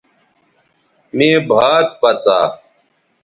مے بھات پڅا